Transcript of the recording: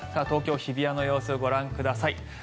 東京・日比谷の様子ご覧ください。